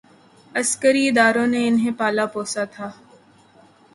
عسکری اداروں نے انہیں پالا پوسا تھا۔